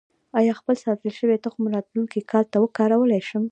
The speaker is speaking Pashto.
آیا خپل ساتل شوی تخم راتلونکي کال ته کارولی شم؟